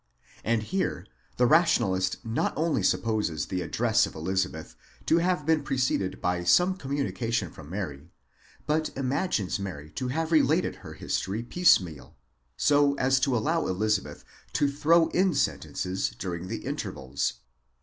And here the Rationalist not only supposes the address of Elizabeth to have been preceded by some communication from Mary, but imagines Mary to have related her history piecemeal, so as to allow Elizabeth to throw in sen tences during the intervals.